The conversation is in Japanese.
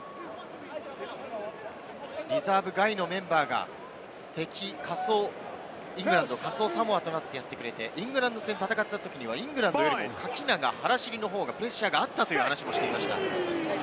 具智元から言いますと、リザーブ外のメンバーが敵、仮想イングランド、仮想サモアとなってやってくれて、イングランド戦を戦ったときにはイングランドよりもプレッシャーがあったという話もしていました。